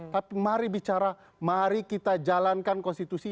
tapi mari bicara mari kita jalankan konstitusi